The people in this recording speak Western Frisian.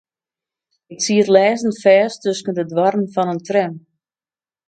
Ik siet lêsten fêst tusken de doarren fan in tram.